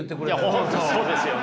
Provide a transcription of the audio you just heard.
本当そうですよね。